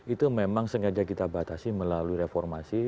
itu memang sengaja kita batasi melalui reformasi